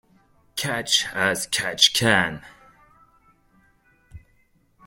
Catch as catch can.